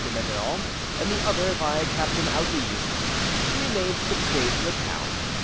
de Mevillon and the other by Captain Albize. She remained six days in the town.